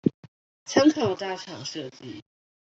參考大廠設計